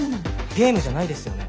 ゲームじゃないですよね？